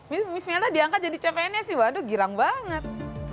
miss melda diangkat jadi cpns waduh girang banget